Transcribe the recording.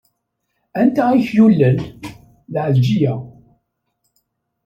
Anta ay k-yullen? D Ɛelǧiya.